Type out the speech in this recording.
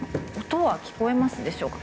音が聞こえますでしょうか。